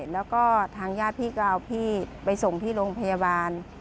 แล้วก็ทางญาติพี่ก็เอาพี่ไปส่งที่โรงพยาบาล